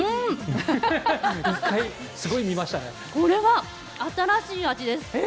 これは新しい味です。